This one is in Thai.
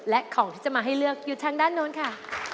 และของที่จะมาให้เลือกอยู่ทางด้านโน้นค่ะ